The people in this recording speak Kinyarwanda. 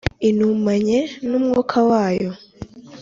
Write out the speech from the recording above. intumanye n Umwuka wayo